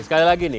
sekali lagi nih